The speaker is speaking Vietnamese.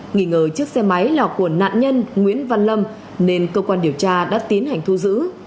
nghĩ ngờ chiếc xe máy là của nạn nhân nguyễn văn lâm nên cơ quan điều tra đã tiến hành thu giữ